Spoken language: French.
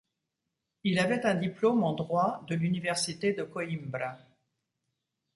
Il avait un diplôme en droit de l'Université de Coimbra.